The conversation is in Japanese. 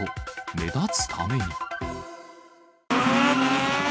目立つために。